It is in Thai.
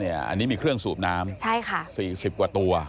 อันนี้มีเครื่องสูบน้ำ๔๐กว่าตัว